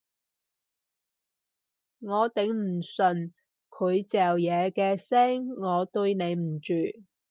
我頂唔順佢嚼嘢嘅聲，我對你唔住